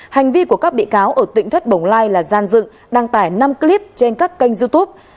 hành vi của các bị cáo ở tỉnh thất bồng lai là gian dựng đăng tải năm clip trên các kênh youtube